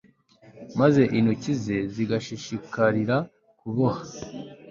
maze intoki ze zigashishikarira kuboha